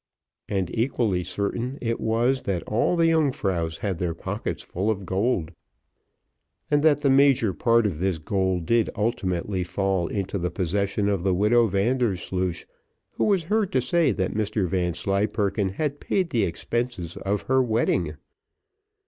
And equally certain it was, that all the Yungfraus had their pockets full of gold, and that the major part of this gold did ultimately fall into the possession of the widow Vandersloosh, who was heard to say, that Mr Vanslyperken had paid the expenses of her wedding.